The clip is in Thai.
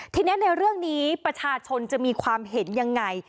ทีนี้ในเรื่องนี้ประชาชนจะมีความเห็นยังไง